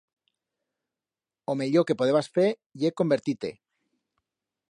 O mellor que podebas fer ye convertir-te.